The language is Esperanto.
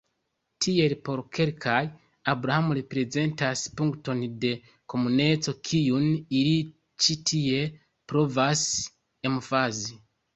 Tiel, por kelkaj, Abraham reprezentas punkton de komuneco, kiun ili ĉi tiel provas emfazi.